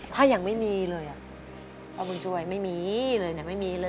ถ้ายังไม่มีเลยอ่ะพ่อบุญช่วยไม่มีเลยเนี่ยไม่มีเลย